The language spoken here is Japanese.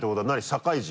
社会人？